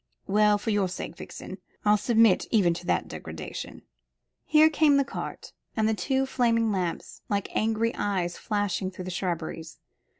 Well, for your sake, Vixen, I'll submit even to that degradation." Here came the cart, with two flaming lamps, like angry eyes flashing through the shrubberies.